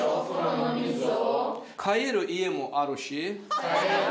替える家もあるし。